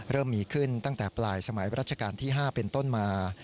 เริ่มมีขึ้นตั้งแต่ปลายสมัยรัชกาลที่๕เป็นต้นมา